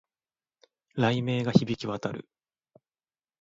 雷鳴が響き渡る